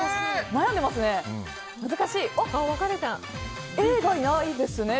悩んでいますね。